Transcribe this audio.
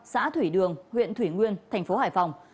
xã thủy đường huyện thủy nguyên thành phố hải phòng